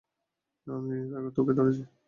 আমি তোকে ধরছি।